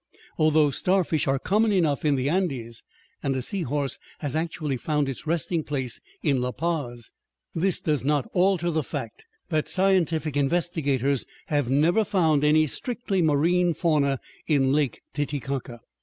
Although starfish are common enough in the Andes and a seahorse has actually found its resting place in La Paz, this does not alter the fact that scientific investigators have never found any strictly marine fauna in Lake Titicaca.